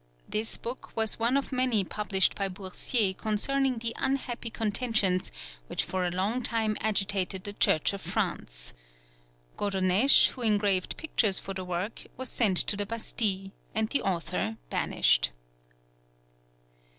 This book was one of many published by Boursier concerning the unhappy contentions which for a long time agitated the Church of France. Godonesche, who engraved pictures for the work, was sent to the Bastille, and the author banished.